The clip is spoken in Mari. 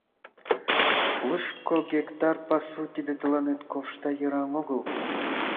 Лучко гектар пасу — тиде тыланет ковшта йыраҥ огыл.